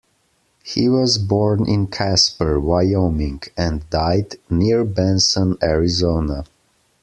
He was born in Casper, Wyoming, and died near Benson, Arizona.